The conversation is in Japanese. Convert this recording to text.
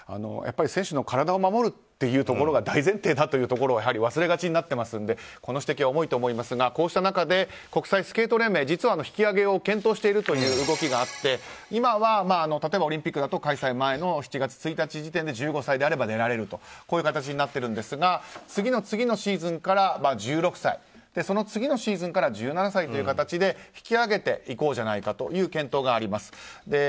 選手の体を守るというところが大前提だというところは忘れがちになってると思いますのでこの指摘は重いと思いますがこうした中で国際スケート連盟実は、引き上げを検討しているという動きがあって今は例えばオリンピックだと開催前の７月１日時点で１５歳であれば出られるという形になっているんですが次の次のシーズンから１６歳その次のシーズンから１７歳という形で引き上げていこうじゃないかという検討があります。